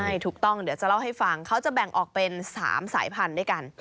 ใช่ถูกต้องเดี๋ยวจะเล่าให้ฟังเขาจะแบ่งออกเป็น๓สายพันธุ์ด้วยกัน